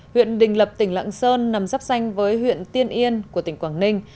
huyện đình lập tỉnh lạng sơn nằm rắp danh với huyện tiên yên của tỉnh quảng ninh